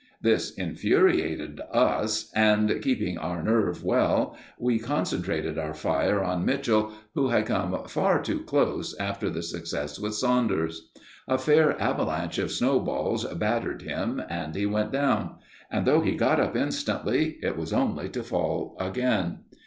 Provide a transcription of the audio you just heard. This infuriated us, and, keeping our nerve well, we concentrated our fire on Mitchell, who had come far too close after the success with Saunders. A fair avalanche of snowballs battered him, and he went down; and though he got up instantly, it was only to fall again.